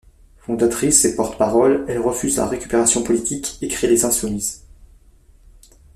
Fondatrice et porte parole, elle refuse la récupération politique et crée Les Insoumis-e-s.